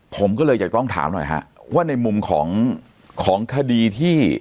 ผมก็เลยอยากต้องถามหน่อยฮะว่าในมุมของของคดีที่